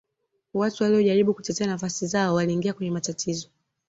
watu waliyojaribu kutetea nafsi zao waliingia kwenye matatizo